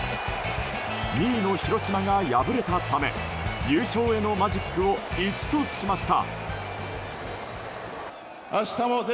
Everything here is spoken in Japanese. ２位の広島が敗れたため優勝へのマジックを１としました。